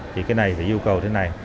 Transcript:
thì cái này phải yêu cầu thế này